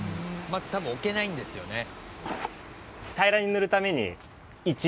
「まず多分置けないんですよね」